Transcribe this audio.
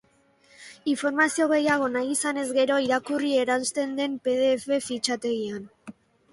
Informazio gehiago nahi izanez gero, irakurri eransten den pdf fitxategian.